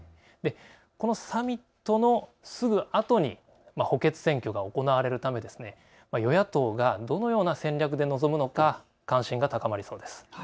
このサミットのすぐあとに補欠選挙が行われるため与野党がどのような戦略で臨むのか関心が高まりそうです。